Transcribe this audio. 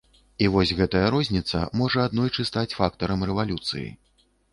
І вось гэтая розніца можа аднойчы стаць фактарам рэвалюцыі.